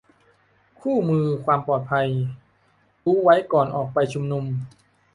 คู่มือความปลอดภัย : รู้ไว้ก่อนออกไปชุมนุม